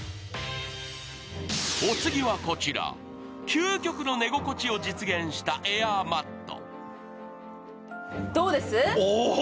お次はこちら、究極の寝心地を実現したエアーマット。